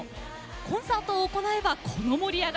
コンサートを行えばこの盛り上がり。